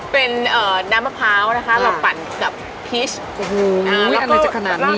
เป็นน้ำมะพร้าวนะคะเราปั่นกับพีชอุ้ยอันนี้จากขนาดนี้